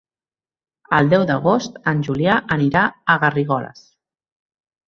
El deu d'agost en Julià anirà a Garrigoles.